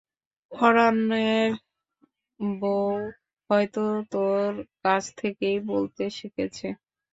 পরাণের বৌ হয়তো তোর কাছ থেকেই বলতে শিখেছে।